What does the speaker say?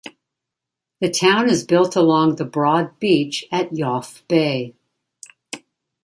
The town is built along the broad beach at Yoff Bay.